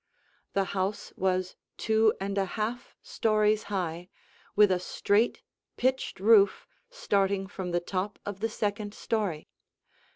The house was two and a half stories high, with a straight, pitched roof starting from the top of the second story.